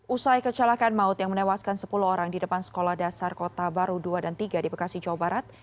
usai kecelakaan maut yang menewaskan sepuluh orang di depan sekolah dasar kota baru dua dan tiga di bekasi jawa barat